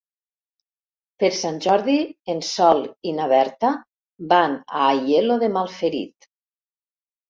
Per Sant Jordi en Sol i na Berta van a Aielo de Malferit.